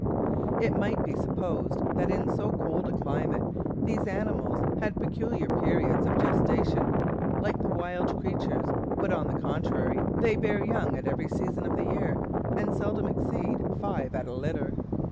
It might be supposed that in so cold a climate these animals had peculiar periods of gestation, like the wild creatures, but, on the contrary, they bear young at every season of the year, and seldom exceed five at a litter.